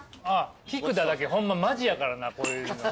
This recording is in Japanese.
菊田だけホンママジやからなこういうの。